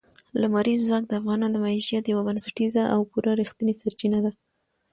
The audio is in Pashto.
لمریز ځواک د افغانانو د معیشت یوه بنسټیزه او پوره رښتینې سرچینه ده.